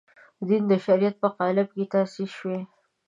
دین د شریعت په قالب کې تاسیس شوی.